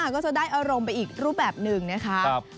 ก็จะได้อารมณ์ไปอีกรูปแบบหนึ่งนะคะ